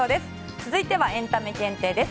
続いてはエンタメ検定です。